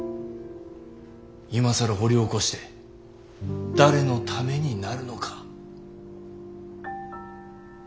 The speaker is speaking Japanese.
今更掘り起こして誰のためになるのか。